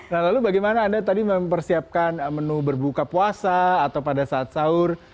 nah lalu bagaimana anda tadi mempersiapkan menu berbuka puasa atau pada saat sahur